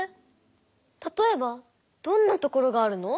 たとえばどんなところがあるの？